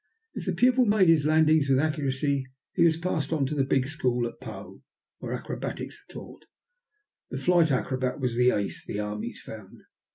If the pupil made his landings with accuracy he was passed on to the big school at Pau, where acrobatics are taught. The flight acrobat was the ace, the armies found.